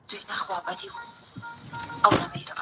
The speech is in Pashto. اقتصادي مرستې ټولنه جوړوي.